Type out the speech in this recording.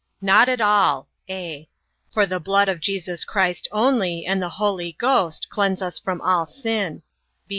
Not at all: (a) for the blood of Jesus Christ only, and the Holy Ghost cleanse us from all sin.